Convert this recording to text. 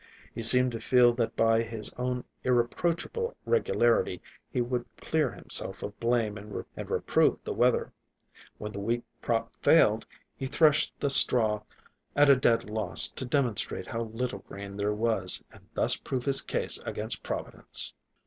He seemed to feel that by his own irreproachable regularity he would clear himself of blame and reprove the weather. When the wheat crop failed, he threshed the straw at a dead loss to demonstrate how little grain there was, and thus prove his case against Providence.